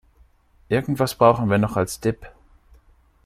Irgendwas brauchen wir noch als Dip.